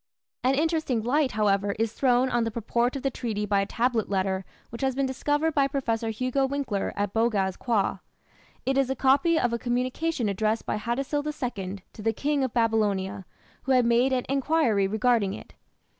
An interesting light, however, is thrown on the purport of the treaty by a tablet letter which has been discovered by Professor Hugo Winckler at Boghaz Köi. It is a copy of a communication addressed by Hattusil II to the King of Babylonia, who had made an enquiry regarding it.